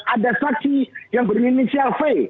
ada saksi yang berinisial v